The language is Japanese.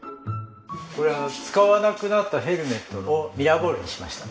これは使わなくなったヘルメットをミラーボールにしました。